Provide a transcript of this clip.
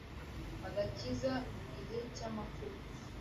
agakiza mu gihe cy amakuba